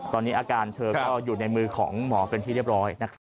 ตอนนี้อาการเธอก็อยู่ในมือของหมอเป็นที่เรียบร้อยนะครับ